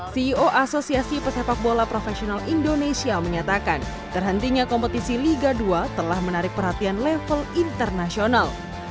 ceo asosiasi pesepak bola profesional indonesia menyatakan terhentinya kompetisi liga dua telah menarik perhatian level internasional